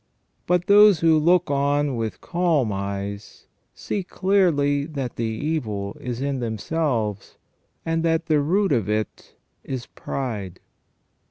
But those who look on with calm eyes see clearly that the evil is in themselves, and that the root of it is pride.